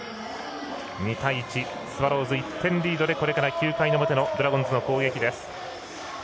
２対１、スワローズ１点リードでこれから９回の表のドラゴンズの攻撃です。